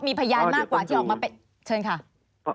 มีความรู้สึกว่ามีความรู้สึกว่ามีความรู้สึกว่า